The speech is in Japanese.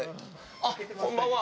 あっこんばんは。